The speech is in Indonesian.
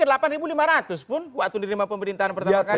dia naikkan ke delapan ribu lima ratus pun waktu menerima pemerintahan pertama kali